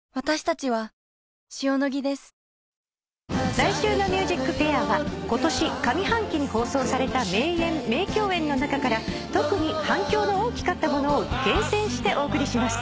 来週の『ＭＵＳＩＣＦＡＩＲ』は今年上半期に放送された名演・名共演の中から特に反響の大きかったものを厳選してお送りします。